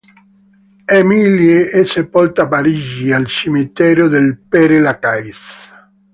Émilie è sepolta a Parigi al cimitero del Père-Lachaise